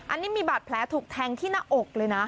อันนี้มีบาดแผลถูกแทงที่หน้าอกเลยนะ